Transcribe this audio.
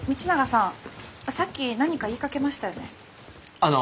あの。